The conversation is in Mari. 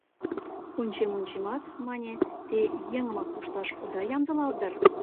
— Ончем-ончемат, — мане, — те еҥымак пушташ ода ямдылалт дыр?